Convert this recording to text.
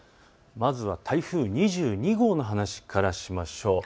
まずは台風２２号の話からしましょう。